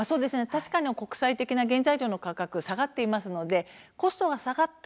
国際的な原材料の価格は下がっていますのでコストが下がった